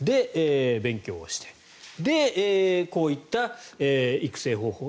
勉強をしてこういった育成方法。